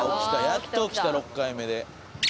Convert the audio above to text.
やっと起きた６回目で。